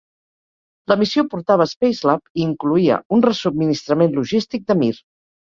La missió portava Spacelab i incloïa un resubministrament logístic de "Mir".